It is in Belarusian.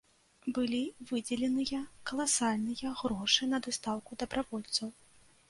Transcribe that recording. Былі выдзеленыя каласальныя грошы на дастаўку дабравольцаў.